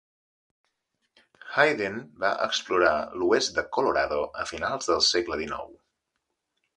Hayden va explorar l'oest de Colorado a finals del segle XIX.